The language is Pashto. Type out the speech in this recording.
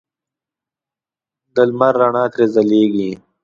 د لمر رڼا ترې ځلېږي.